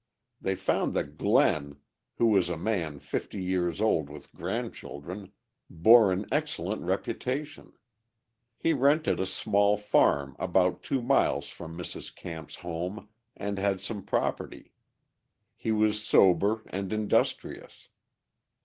They found that Glenn, who was a man fifty years old with grandchildren, bore an excellent reputation. He rented a small farm about two miles from Mrs. Camp's home and had some property; he was sober and industrious.